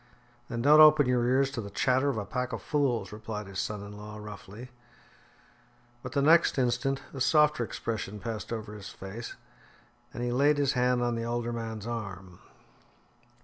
"Then don't open your ears to the chatter of a pack of fools," replied his son in law roughly. But the next instant a softer expression passed over his face, and he laid his hand on the older man's arm.